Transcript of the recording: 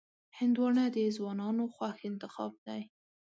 هندوانه د ځوانانو خوښ انتخاب دی.